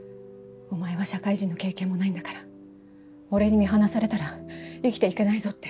「お前は社会人の経験もないんだから俺に見放されたら生きていけないぞ」